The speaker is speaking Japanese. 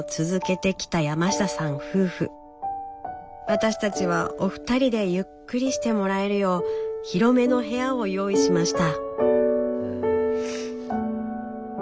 私たちはお二人でゆっくりしてもらえるよう広めの部屋を用意しました。